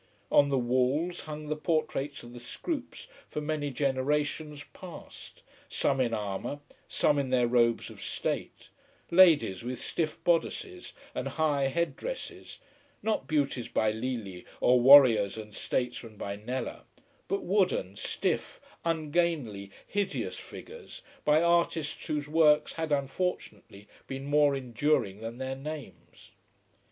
On the walls hung the portraits of the Scroopes for many generations past, some in armour, some in their robes of state, ladies with stiff bodices and high head dresses, not beauties by Lely or warriors and statesmen by Kneller, but wooden, stiff, ungainly, hideous figures, by artists whose works had, unfortunately, been more enduring than their names.